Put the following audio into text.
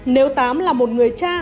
nếu tám là một người cha